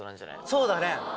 そうだね。